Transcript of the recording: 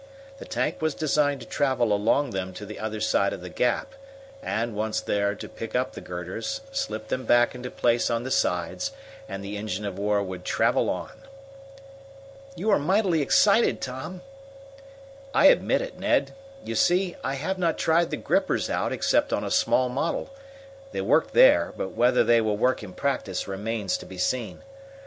The tank was designed to travel along them to the other side of the gap, and, once there, to pick up the girders, slip them back into place on the sides, and the engine of war would travel on. "You are mightily excited, Tom. "I admit it, Ned. You see, I have not tried the grippers out except on a small model. They worked there, but whether they will work in practice remains to be seen.